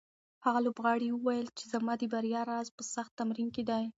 هغه لوبغاړی وویل چې زما د بریا راز په سخت تمرین کې دی.